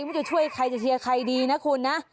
ไม่รู้จะช่วยใครจะเชียร์ใครดีนะคุณนะ